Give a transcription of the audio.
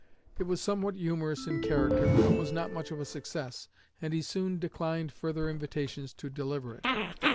It was somewhat humorous in character, but was not much of a success, and he soon declined further invitations to deliver it.